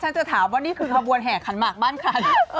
จะถามว่านี่คือขบวนแห่ขันหมากบ้านใคร